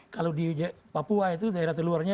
kalau di papua itu daerah terluarnya